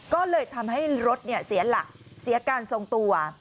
ก็เลยทำให้รถเสียหลักเสียการทรงตัว